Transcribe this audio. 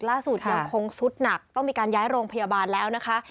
ล่าสุดยังคงซุดหนักต้องมีการย้ายโรงพยาบาลแล้วนะคะ